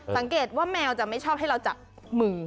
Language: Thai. สังเกตว่าแมวจะไม่ชอบให้เราจับมือ